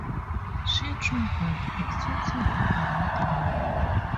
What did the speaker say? She travelled extensively around the world.